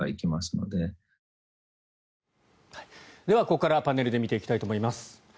では、ここからパネルで見ていきたいと思います。